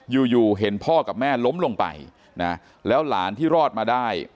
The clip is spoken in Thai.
อยู่อยู่เห็นพ่อกับแม่ล้มลงไปนะแล้วหลานที่รอดมาได้